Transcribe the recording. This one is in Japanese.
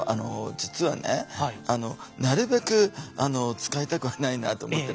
実はねなるべく使いたくはないなと思ってるんですけどね